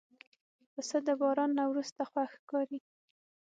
پسه د باران نه وروسته خوښ ښکاري.